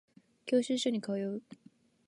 教習所に通う